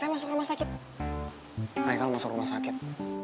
maya kamu masuk rumah sakit